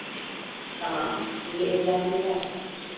Tamam, iyi eğlenceler.